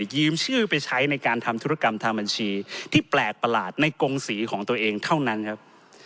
ยืมชื่อไปใช้ในการทำธุรกรรมทางบัญชีที่แปลกประหลาดในกงศรีของตัวเองเท่านั้นครับ